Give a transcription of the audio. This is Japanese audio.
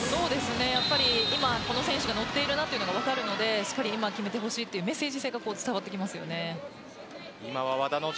やっぱり今、この選手が乗っているなというのが分かるのでしっかり今決めてほしいというメッセージ性が伝わってきます。